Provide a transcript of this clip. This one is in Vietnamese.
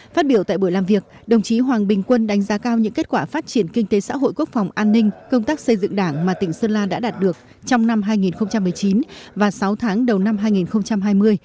phát biểu tại buổi làm việc đồng chí hoàng bình quân đánh giá cao những kết quả phát triển kinh tế xã hội quốc phòng an ninh công tác xây dựng đảng mà tỉnh sơn la đã đạt được trong năm hai nghìn một mươi chín và sáu tháng đầu năm hai nghìn hai mươi